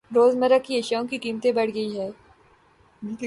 روز مرہ کے اشیاوں کی قیمتیں بڑھ گئ ہے۔